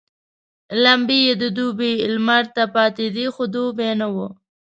لمبې يې د دوبي لمر ته پاتېدې خو دوبی نه وو.